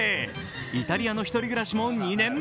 イタリアの１人暮らしも２年目。